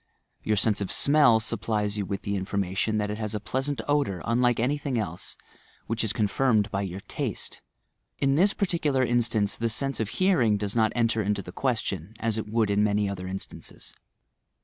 Tour sense of smell supplies you with the information that it has a pleasant odour unlike anything else, which is confirmed by your taste. In this particular inBtance the sense of hearing does not enter into the questiou, as it would in many other instances.